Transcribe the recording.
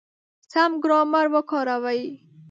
سم ګرامر وکاروئ!.